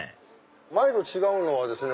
前と違うのはですね